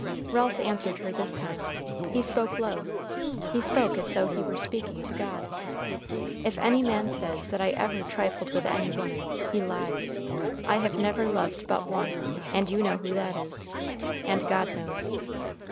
Ralph answered her this time. He spoke low. He spoke as though he were speaking to God. "If any man says that I ever trifled with any woman, he lies. I have never loved but one, and you know who that is. And God knows."